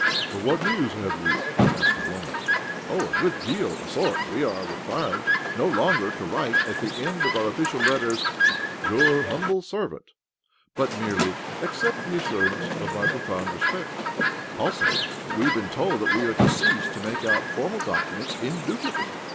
"And what news have you?" asked Oblomov. " Oh, a good deal^of a sort. We are required no longer to write at the end of our official letters 'Your humble servant,' but merely ' Accept the ass, urance of my pro found respect.' Also we have been told that we are to cease to make out formal docu ments in duplicate.